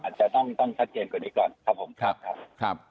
อาจจะต้องต้องชัดเกณฑ์กว่านี้ก่อนครับผม